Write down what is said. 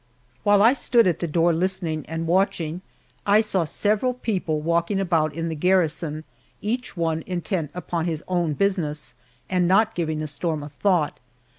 While I stood at the door listening and watching, I saw several people walking about in the garrison, each one intent upon his own business and not giving the storm a thought.